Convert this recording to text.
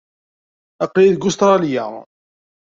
Aql-iyi deg Ustṛalya.